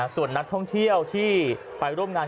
ส่วนนักท่องเที่ยวที่ไปร่วมงาน